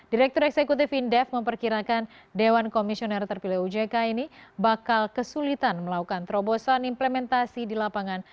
direktur eksekutif indef memperkirakan dewan komisioner terpilih ujk ini bakal kesulitan melakukan terobosan implementasi di lapangan